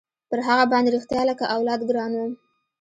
پر هغه باندې رښتيا لکه اولاد ګران وم.